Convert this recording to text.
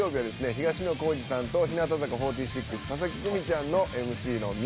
東野幸治さんと日向坂４６佐々木久美ちゃんのＭＣの『みえる』です。